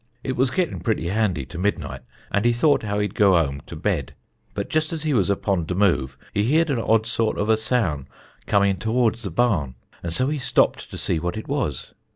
It was gittin' pretty handy to midnight, and he thought how he'd goo home to bed. But jest as he was upon de move he heerd a odd sort of a soun' comin' tóe ards the barn, and so he stopped to see what it was.